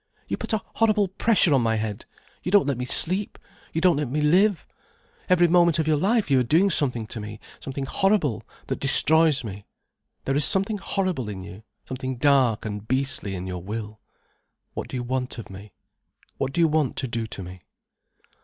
You put a horrible pressure on my head, you don't let me sleep, you don't let me live. Every moment of your life you are doing something to me, something horrible, that destroys me. There is something horrible in you, something dark and beastly in your will. What do you want of me? What do you want to do to me?"